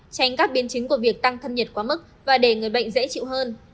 tránh các biến chứng của việc tăng thân nhiệt quá mức và để người bệnh dễ chịu hơn